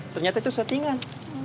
ternyata itu settingan